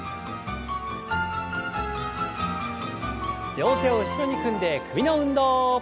両手を後ろに組んで首の運動。